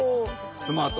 スマート！